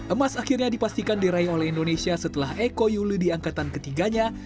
emas akhirnya dipastikan diraih oleh indonesia setelah eko yuli di angkatan ketiganya